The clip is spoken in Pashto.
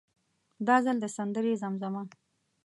دا ځل د سندرې زمزمه.